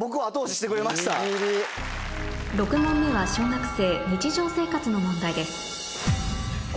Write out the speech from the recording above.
６問目は小学生日常生活の問題です